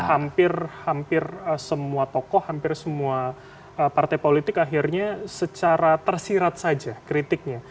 hampir hampir semua tokoh hampir semua partai politik akhirnya secara tersirat saja kritiknya